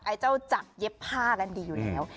ไอ้เจ้าจักรักเย็บผ้ากันดีอยู่แล้ว